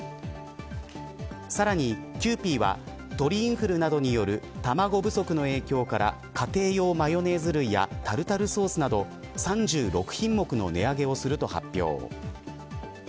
さらに、キューピーは鳥インフルなどによる卵不足の影響から家庭用マヨネーズ類やタルタルソースなど３６品目を値上げをすると発表。